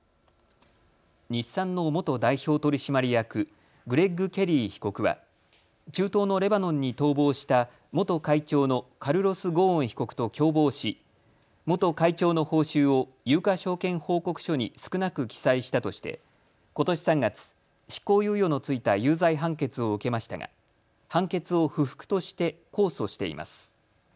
日産の元代表取締役、グレッグ・ケリー被告は中東のレバノンに逃亡した元会長のカルロス・ゴーン被告と共謀し元会長の報酬を有価証券報告書に少なく記載したとしてことし３月、執行猶予の付いた有罪判決を受けましたが判決を不服として控訴しています。